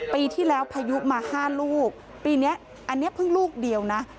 ปีที่แล้วพายุมา๕ลูกปีนี้อันนี้เพิ่งลูกเดียวนะ